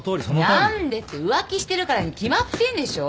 何でって浮気してるからに決まってんでしょ？